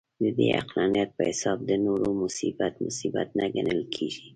د دې عقلانیت په حساب د نورو مصیبت، مصیبت نه ګڼل کېږي.